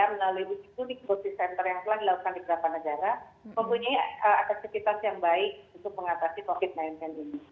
jadi dipercaya melalui itu dikosistenter yang telah dilakukan di beberapa negara mempunyai aktivitas yang baik untuk mengatasi covid sembilan belas ini